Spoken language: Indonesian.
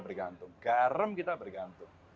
bergantung garam kita bergantung